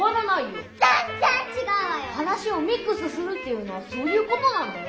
話をミックスするっていうのはそういうことなんだよ。